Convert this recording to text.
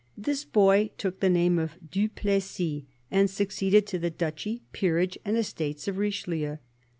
This boy took the name of Du Plessis, and succeeded to the duchy, peerage, and estates of Richelieu.